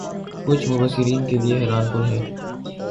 کچھ مبصرین کے لئے حیران کن ہے